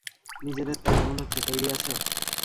নিজেদের তাই এমন হচ্ছে তৈরী আছো?